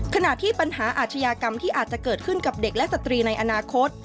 ขณะที่ปัญหาอาชญากรรมที่อาจจะเกิดขึ้นกับเด็กและสตรีในอนาคต